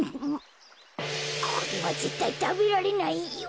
これはぜったいたべられないよ。